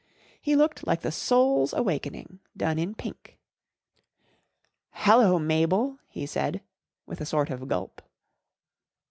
He looked like the Soul s Awakening done in pink. " Hallo, Mabel J p> lie said, with a sort of gulp.